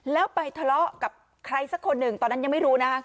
แล้วไปทะเลาะกับใครสักคนหนึ่งตอนนั้นยังไม่รู้นะคะ